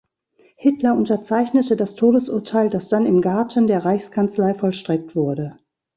Hitler unterzeichnete das Todesurteil, das dann im Garten der Reichskanzlei vollstreckt wurde.